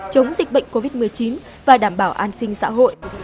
chống dịch bệnh covid một mươi chín và đảm bảo an sinh xã hội